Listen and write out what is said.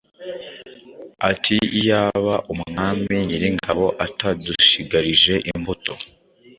ati, ‘Iyaba Umwami Nyiringabo atadushigarije imbuto,